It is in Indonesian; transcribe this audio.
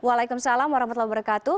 waalaikumsalam warahmatullahi wabarakatuh